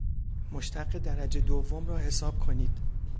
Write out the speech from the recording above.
مشتق درجه دوم را حساب کنید